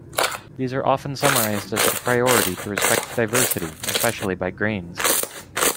These are often summarized as the priority to respect diversity, especially by Greens.